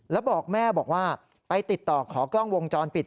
แล้วบอกแม่บอกว่าไปติดต่อขอกล้องวงจรปิด